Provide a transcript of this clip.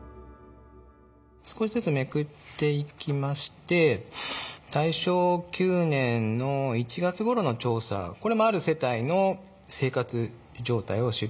少しずつめくっていきまして大正９年の１月ごろの調査これもある世帯の生活状態を記した。